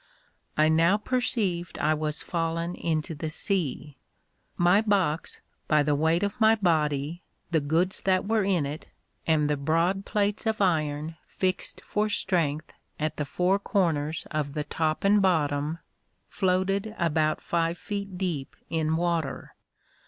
I now perceived I was fallen into the sea. My box, by the weight of my body, the goods that were in it, and the broad plates of iron fixed for strength at the four corners of the top and bottom, floated about five feet deep in water.